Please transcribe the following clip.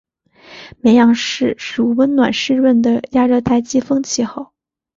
绵阳市属温暖湿润的亚热带季风气候。